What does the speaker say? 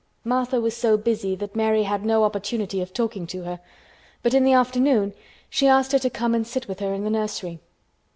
Martha was so busy that Mary had no opportunity of talking to her, but in the afternoon she asked her to come and sit with her in the nursery.